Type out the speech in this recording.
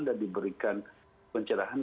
dan diberikan pencerahan